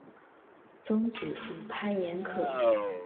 曾祖父潘彦可。